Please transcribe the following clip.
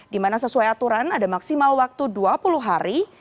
dimana sesuai aturan ada maksimal waktu dua puluh hari